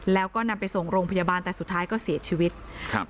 แล้วก็นำไปส่งโรงพยาบาลแต่สุดท้ายก็เสียชีวิตครับ